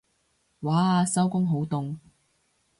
嘩收工好凍